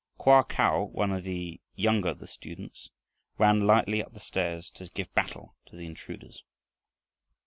Koa Kau, one of the younger of the students, ran lightly up the stairs to give battle to the intruders.